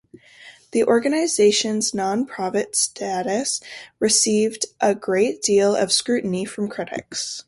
The organization's nonprofit status received a great deal of scrutiny from critics.